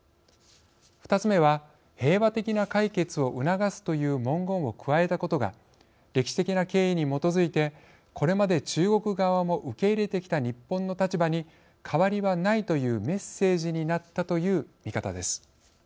２つ目は、平和的な解決を促すという文言を加えたことが歴史的な経緯に基づいてこれまで中国側も受け入れてきた日本の立場に変わりはないというメッセージになったという見方です。